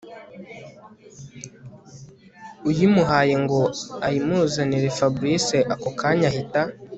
uyimuhaye ngo ayimuzanire Fabric ako kanya ahita